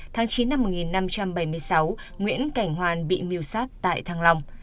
tháng chín năm một nghìn năm trăm bảy mươi sáu nguyễn cảnh hoàn bị miêu sát tại thăng long